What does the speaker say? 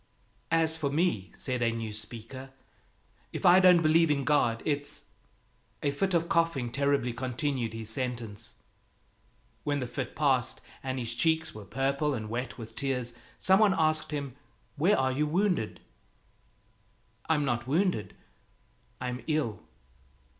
"As for me," said a new speaker, "if I don't believe in God, it's " A fit of coughing terribly continued his sentence. When the fit passed and his cheeks were purple and wet with tears, some one asked him, "Where are you wounded?" "I'm not wounded; I'm ill."